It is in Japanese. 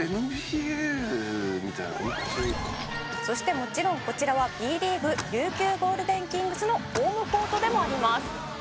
「そしてもちろんこちらはＢリーグ琉球ゴールデンキングスのホームコートでもあります」